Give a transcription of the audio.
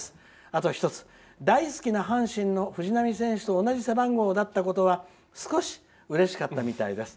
あと１つ、大好きな阪神の藤浪選手と同じ背番号だったことは少しうれしかったみたいです。